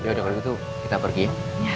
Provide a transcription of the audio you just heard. yaudah kalau gitu kita pergi ya